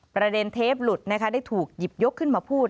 เทปหลุดนะคะได้ถูกหยิบยกขึ้นมาพูด